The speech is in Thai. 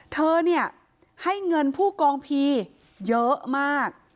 เธอเนี่ยให้เงินผู้กองพีเยอะมาก